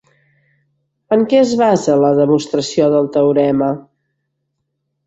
En què es basa la demostració del teorema?